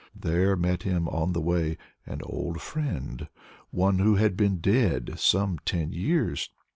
There met him on the way an old friend, one who had been dead some ten years.